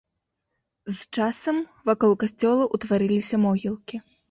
З часам вакол касцёла ўтварыліся могілкі.